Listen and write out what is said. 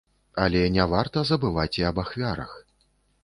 Але не варта забываць і аб ахвярах.